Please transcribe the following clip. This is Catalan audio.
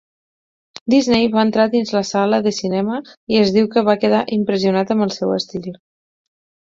Disney va entrar dins la sala de cinema i es diu que va quedar impressionat amb el seu estil.